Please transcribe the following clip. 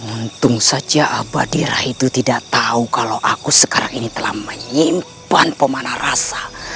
untung saja abadira itu tidak tahu kalau aku sekarang ini telah menyimpan pemana rasa